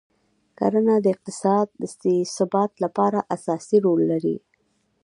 کرنه د اقتصاد د ثبات لپاره اساسي رول لري.